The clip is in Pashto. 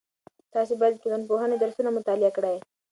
تاسې باید د ټولنپوهنې درسونه مطالعه کړئ.